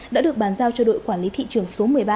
đã được bàn giao cho đội quản lý thị trường số một mươi ba